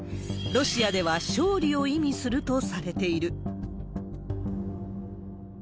ロシアでは勝利を意味するとされている。